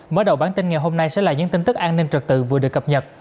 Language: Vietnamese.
mở đầu bản tin ngày hôm nay sẽ là những tin tức an ninh trật tự vừa được cập nhật